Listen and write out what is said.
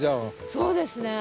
そうですね。